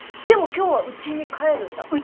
でも今日はうちに帰るんだ？